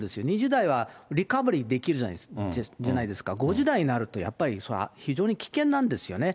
２０代はリカバリーできるじゃないですか、５０代になると、やっぱりそれは非常に危険なんですよね。